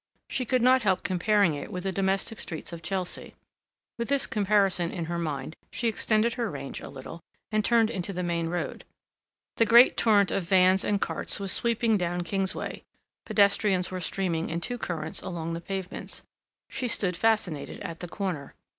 She could not help comparing it with the domestic streets of Chelsea. With this comparison in her mind, she extended her range a little, and turned into the main road. The great torrent of vans and carts was sweeping down Kingsway; pedestrians were streaming in two currents along the pavements. She stood fascinated at the corner.